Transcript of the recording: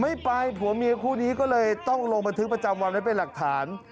ไม่ไปผัวเมียคู่นี้ก็เลยต้องลงบันทึกประจำวันไว้เป็นหลักฐาน